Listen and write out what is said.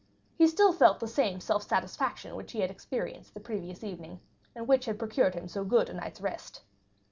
He still felt the same self satisfaction which he had experienced the previous evening, and which had procured him so good a night's rest.